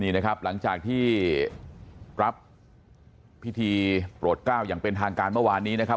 นี่นะครับหลังจากที่รับพิธีโปรดก้าวอย่างเป็นทางการเมื่อวานนี้นะครับ